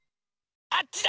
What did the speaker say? あっちだ！